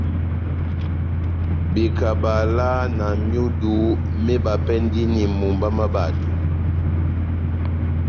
Bekabala na myudu mébapɛndini mumba má bato.